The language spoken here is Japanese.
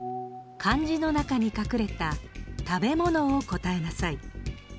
漢字の中に隠れた食べ物を答えなさい。